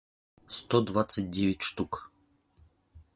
сто двадцать девять штук